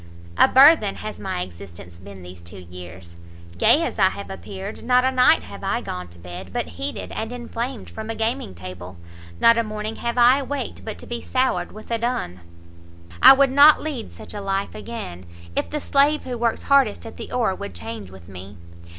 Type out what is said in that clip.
A burthen has my existence been these two years, gay as I have appeared; not a night have I gone to bed, but heated and inflamed from a gaming table; not a morning have I awaked, but to be soured with a dun! I would not lead such a life again, if the slave who works hardest at the oar would change with me.